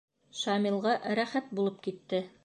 Шамилға рәхәт булып китте.